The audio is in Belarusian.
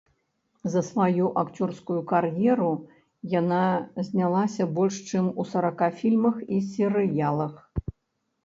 За сваю акцёрскую кар'еру яна знялася больш чым у сарака фільмах і серыялах.